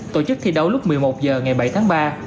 tổ chức thi đấu lúc một mươi một h ngày bảy tháng ba